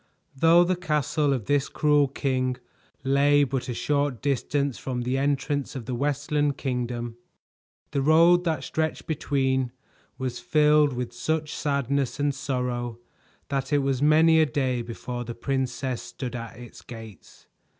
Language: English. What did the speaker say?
Though the castle of this cruel king lay but a short distance from the entrance of the Westland Kingdom, the road that stretched between was filled with such sadness and sorrow that it was many a day before the princess stood at its gates.